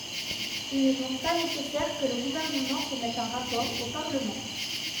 Il n’est donc pas nécessaire que le Gouvernement remette un rapport au Parlement.